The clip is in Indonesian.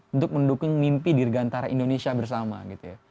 untuk mendukung mimpi dirgantara indonesia bersama gitu ya